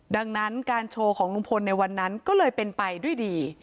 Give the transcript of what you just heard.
ดังนั้นการโชว์ของลุงพลในวันนั้นก็เลยเป็นไปด้วยดี